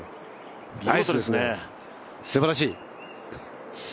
ナイスですね、すばらしい！